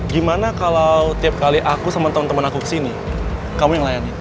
gimana kalau tiap kali aku sama teman teman aku kesini kamu yang layanin